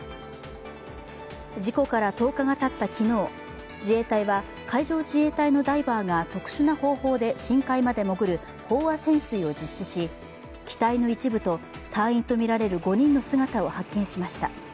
事故から１０日がたった昨日、自衛隊は海上自衛隊のダイバーが特殊な方法で深海まで潜る飽和潜水を実施し、機体の一部と、隊員とみられる５人の姿を発見しました。